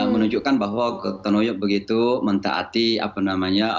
menunjukkan bahwa kota new york begitu mentaati apa namanya